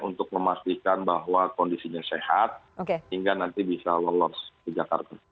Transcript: untuk memastikan bahwa kondisinya sehat hingga nanti bisa lolos ke jakarta